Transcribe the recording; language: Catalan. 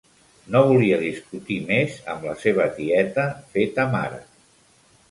No volia discutir més amb la seva tieta feta mare.